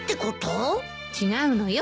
違うのよ